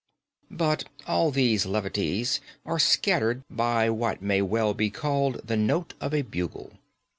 "But all these levities are scattered by what may well be called the note of a bugle.